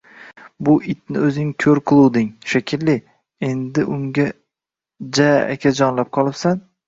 – Bu itni o‘zing ko‘r qiluvding, shekilli? Endi unga ja akajonlab qolibsan?